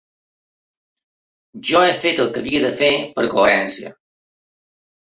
Jo he fet el que havia de fer per coherència.